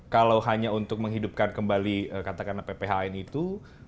kalau hanya untuk menghidupkan kembali katakanlah pph ini itu